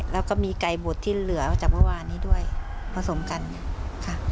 แล้วก็มีไก่บดที่เหลือจากเมื่อวานนี้ด้วยผสมกันค่ะ